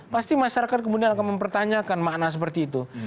pasti masyarakat kemudian akan mempertanyakan makna seperti itu